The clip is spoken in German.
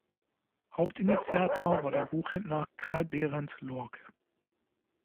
Hauptinitiator war der Buchhändler Carl Berendt Lorck.